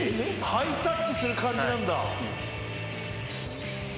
ハイタッチする感じなんだ。